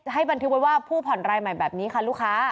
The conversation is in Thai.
ให้บันทึกไว้ว่าผู้ผ่อนรายใหม่แบบนี้ค่ะลูกค้า